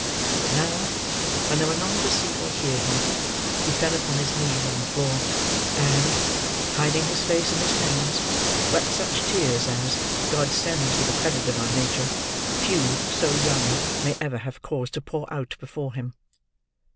But now, when there were none to see or hear him, he fell upon his knees on the floor; and, hiding his face in his hands, wept such tears as, God send for the credit of our nature, few so young may ever have cause to pour out before him!